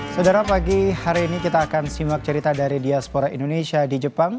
saudara pagi hari ini kita akan simak cerita dari diaspora indonesia di jepang